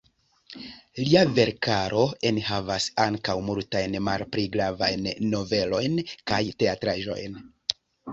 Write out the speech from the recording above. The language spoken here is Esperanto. Lia verkaro enhavas ankaŭ multajn malpli gravajn novelojn kaj teatraĵojn.